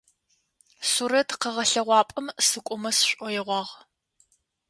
Сурэт къэгъэлъэгъуапӏэм сыкӏомэ сшӏоигъуагъ.